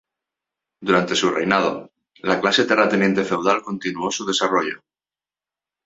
Durante su reinado, la clase terrateniente feudal continuó su desarrollo.